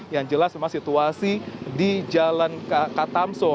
yang jelas memang situasi di jalan katamso